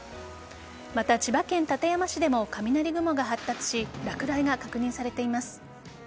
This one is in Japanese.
また、千葉県館山市でも雷雲が発達し落雷が確認されています。